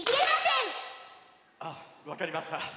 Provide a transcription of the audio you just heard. あっわかりました。